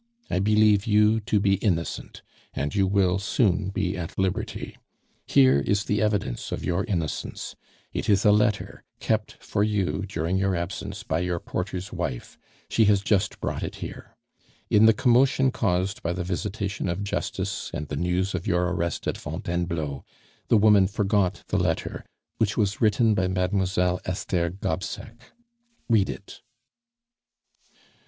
I believe you to be innocent, and you will soon be at liberty. Here is the evidence of your innocence; it is a letter kept for you during your absence by your porter's wife; she has just brought it here. In the commotion caused by the visitation of justice and the news of your arrest at Fontainebleau, the woman forgot the letter which was written by Mademoiselle Esther Gobseck. Read it!"